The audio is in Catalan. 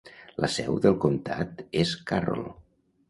La seu del comtat és Carroll.